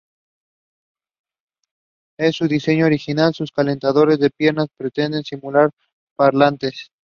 En su diseño original, sus "calentadores de piernas" pretenden simular parlantes.